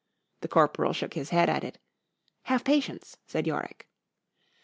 _——The corporal shook his head at it.——Have patience, said _Yorick.